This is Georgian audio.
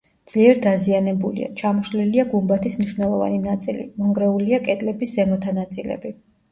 ძლიერ დაზიანებულია: ჩამოშლილია გუმბათის მნიშვნელოვანი ნაწილი, მონგრეულია კედლების ზემოთა ნაწილები.